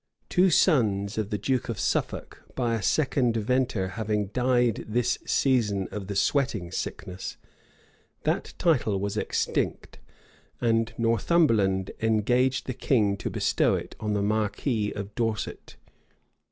Two sons of the duke of Suffolk by a second venter having died this season of the sweating sickness, that title was extinct; and Northumberland engaged the king to bestow it on the marquis of Dorset.